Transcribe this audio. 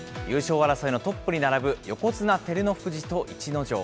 優勝争いのトップに並ぶ横綱・照ノ富士と逸ノ城。